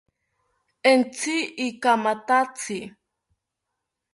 Entzi ikamathatzi